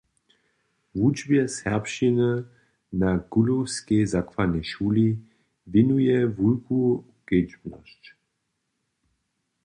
Wučbje serbšćiny na Kulowskej zakładnej šuli wěnuje wulku kedźbnosć.